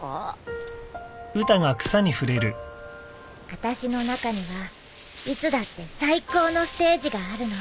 あたしの中にはいつだって最高のステージがあるの。